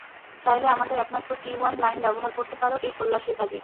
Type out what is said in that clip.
চাইলে আমাদের একমাত্র টি-ওয়ান লাইন ব্যাবহার করতে পারো এই তল্লাসির কাজে।